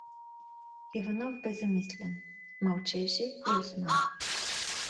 Иванов бе замислен, мълчеше и Осман.